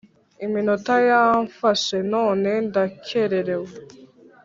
Iminota yamfashe none ndakererewe